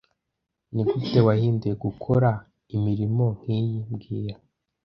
Nigute wahinduye gukora imirimo nkiyi mbwira